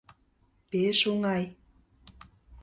Пеш оҥай...